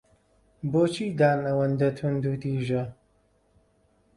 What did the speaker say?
بۆچی دان ئەوەندە توندوتیژە؟